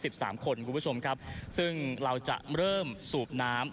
ผู้สุนหายทั้ง๑๓คนคุณผู้ชมครับซึ่งเราจะเริ่มสูบน้ำ